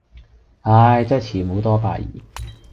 唉,真係慈母多敗兒